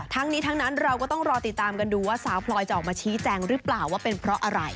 ทั้งนี้ทั้งนั้นเราก็ต้องรอติดตามกันดูว่าสาวพลอยจะออกมาชี้แจงหรือเปล่าว่าเป็นเพราะอะไร